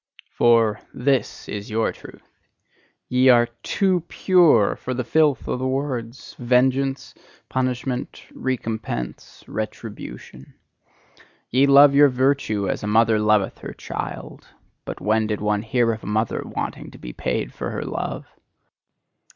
For this is your truth: ye are TOO PURE for the filth of the words: vengeance, punishment, recompense, retribution. Ye love your virtue as a mother loveth her child; but when did one hear of a mother wanting to be paid for her love?